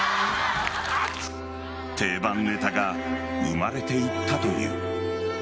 定番ネタが生まれていったという。